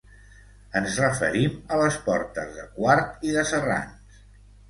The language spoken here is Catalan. Ens referim a les portes de Quart i de Serrans.